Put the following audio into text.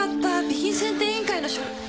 備品選定委員会の書類。